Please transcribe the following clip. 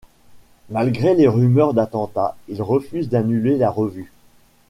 Malgré les rumeurs d'attentat, il refuse d'annuler la revue.